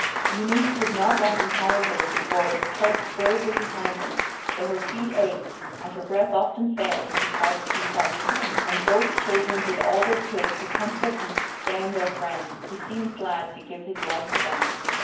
Eunice would not let him carry her as before, but trudged bravely behind him, though her feet ached and her breath often failed as she tried to keep up; and both children did all they could to comfort and sustain their friend, who seemed glad to give his life for them.